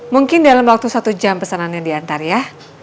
mungkin dalam waktu satu jam pesanan yang diantar ya